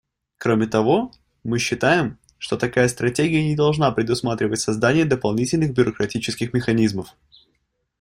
Кроме того, мы считаем, что такая стратегия не должна предусматривать создание дополнительных бюрократических механизмов.